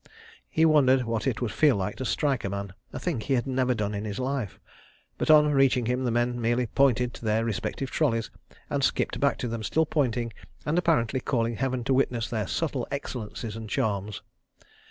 He wondered what it would feel like to strike a man—a thing he had never done in his life. But, on reaching him, the men merely pointed to their respective trolleys and skipped back to them, still pointing, and apparently calling Heaven to witness their subtle excellences and charms.